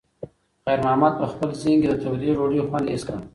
خیر محمد په خپل ذهن کې د تودې ډوډۍ خوند حس کړ.